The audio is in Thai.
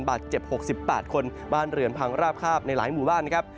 บาดเจ็บ๖๘คนบ้านเรือนพังราบคาบในหลายหมู่บ้านนะครับ